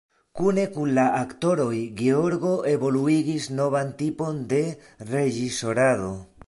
Kune kun la aktoroj Georgo evoluigis novan tipon de reĝisorado.